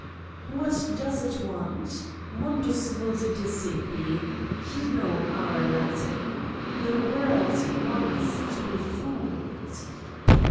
"What does it want? Mwidus vidt decipi ... you know our Latin? the world wants to be fooled!"